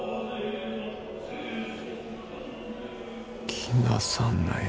・来なさんなや。